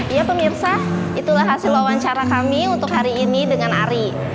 ya pemirsa itulah hasil wawancara kami untuk hari ini dengan ari